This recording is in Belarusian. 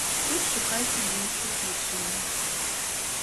Тут шукайце іншую прычыну.